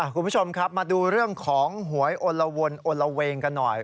คุณผู้ชมครับมาดูเรื่องของหวยอลละวนอนละเวงกันหน่อย